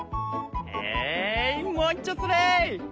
えいもういっちょそれ！